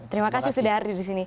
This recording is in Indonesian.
terima kasih sudah hadir di sini